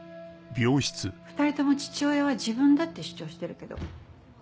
２人とも父親は自分だって主張してるけど。